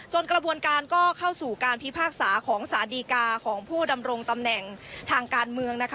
ส่วนกระบวนการก็เข้าสู่การพิพากษาของสารดีกาของผู้ดำรงตำแหน่งทางการเมือง